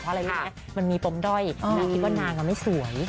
เพราะอะไรรู้ไหมมันมีปมด้อยนางคิดว่านางไม่สวย